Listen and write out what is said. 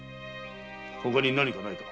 ほかに何かないか？